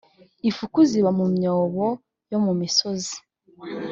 ifuku ziba mu myobo yo mu misozi .